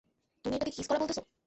তুমি এটাকে কিস করা বলতেছ?